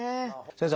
先生。